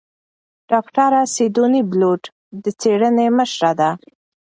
ډاکتره سیدوني بېلوت د څېړنې مشره ده.